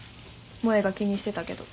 萌が気にしてたけど。